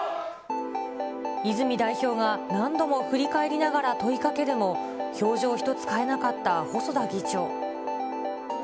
泉代表が何度も振り返りながら問いかけるも、表情一つ変えなかった細田議長。